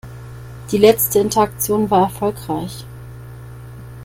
Die letzte Interaktion war erfolgreich.